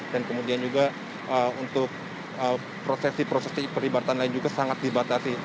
kemudian juga untuk prosesi prosesi perlibatan lain juga sangat dibatasi